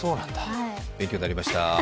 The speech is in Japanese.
勉強になりました。